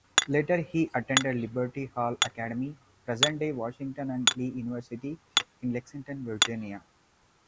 Later he attended Liberty Hall Academy, present-day Washington and Lee University, in Lexington, Virginia.